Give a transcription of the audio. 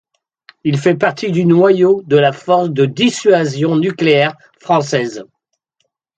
Il fait partie du noyau de la force de dissuasion nucléaire française.